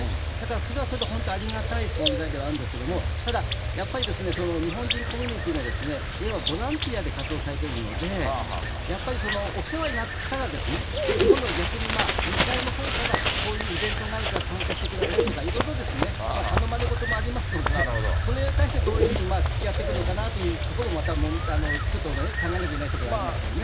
それはそれで本当ありがたい存在ではあるんですけど、ただ、やっぱり日本人コミュニティもね、ボランティアで活動されているので、やっぱり、お世話になったら今度は逆に向こうのほうからこういうイベントがあるから参加してくださいとかいろいろ頼まれ事もありますので、それに対して、どういうふうにつきあっていくのかなというところもまたちょっとね、考えないといけないところもありますよね。